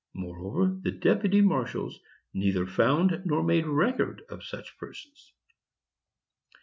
Moreover, the deputy marshals neither found nor made record of such persons.